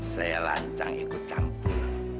saya lancar ikut campur